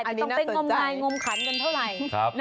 ไม่ต้องเป็นงมไหล่งมขันกันเท่าไหร่